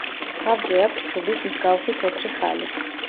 თავზე აქვს ჯვრის მსგავსი თეთრი ხალი.